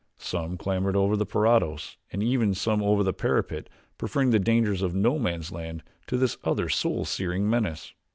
Some clambered over the parados and some even over the parapet preferring the dangers of No Man's Land to this other soul searing menace.